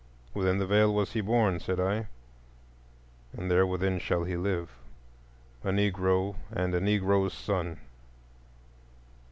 Within the Veil was he born, said I; and there within shall he live,—a Negro and a Negro's son.